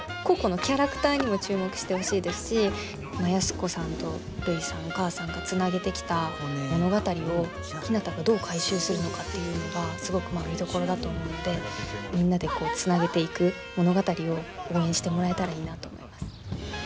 個々のキャラクターにも注目してほしいですし安子さんとるいさんお母さんがつなげてきた物語をひなたがどう回収するのかっていうのがすごく見どころだと思うのでみんなでつなげていく物語を応援してもらえたらいいなと思います。